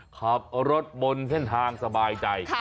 ขับรถบนเส้นทางสบายใจ